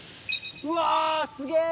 うわすげぇ！